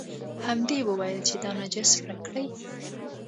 همدې یې ویل چې دا نجس ورک کړئ.